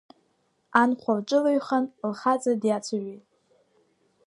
Анхәа лҿыҩалхан лхаҵа диацәажәеит…